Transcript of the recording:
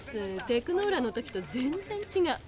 テクノーラの時と全然ちがう。